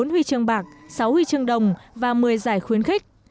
bốn huy chương bạc sáu huy chương đồng và một mươi giải khuyến khích